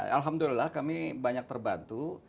alhamdulillah kami banyak terbantu